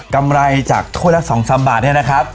กำไรจากถ้วยละ๒๓บาทเนี่ยนะครับ